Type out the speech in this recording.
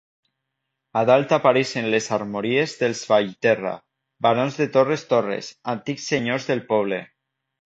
A dalt apareixen les armories dels Vallterra, barons de Torres Torres, antics senyors del poble.